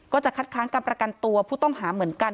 ก็จะคัดค้างการประกันตัวผู้ต้องหาเหมือนกัน